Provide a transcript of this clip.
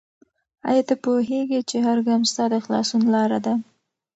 آیا ته پوهېږې چې هر ګام ستا د خلاصون لاره ده؟